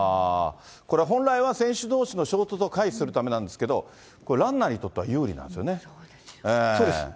これ、本来は選手どうしの衝突を回避するためなんですけど、これ、ランナーにとっては有利なんですよね。